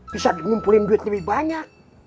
bisa ngumpulin duit lebih banyak